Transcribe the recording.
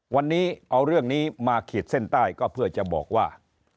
วันนี้เอาเรื่องนี้มาขีดเส้นใต้ก็เพื่อจะบอกว่า